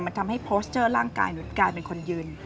มันทำให้โพสเจอร์ร่างกายหนูกลายเป็นคนยืน